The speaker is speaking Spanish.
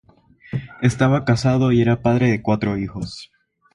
Estaba casado y era padre de cuatro hijos.